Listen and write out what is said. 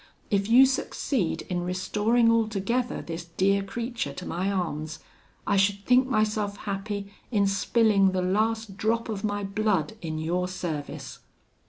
If you succeed in restoring altogether this dear creature to my arms, I should think myself happy in spilling the last drop of my blood in your service.'